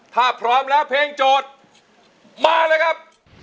ถ้าพร้อมแล้วเพลงโจทย์มาเลยครับ